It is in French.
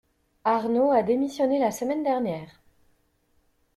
Arnaud a démissionné la semaine dernière.